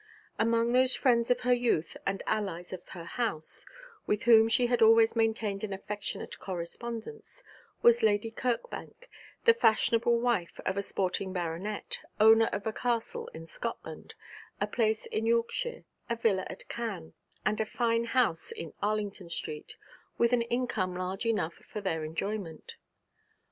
Among those friends of her youth and allies of her house with whom she had always maintained an affectionate correspondence was Lady Kirkbank, the fashionable wife of a sporting baronet, owner of a castle in Scotland, a place in Yorkshire, a villa at Cannes, and a fine house in Arlington Street, with an income large enough for their enjoyment.